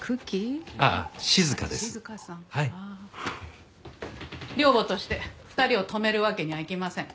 寮母として２人を泊めるわけにはいきません。